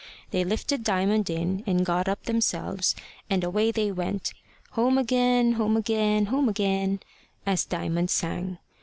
They lifted Diamond in, and got up themselves, and away they went, "home again, home again, home again," as Diamond sang.